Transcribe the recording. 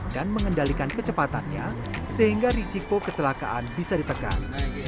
dan mengendalikan kecepatannya sehingga risiko kecelakaan bisa ditekan